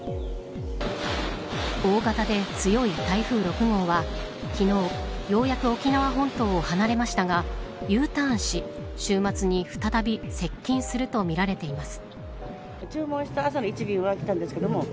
大型で強い台風６号は昨日、ようやく沖縄本島を離れましたがＵターンし週末に再び接近するとみられています。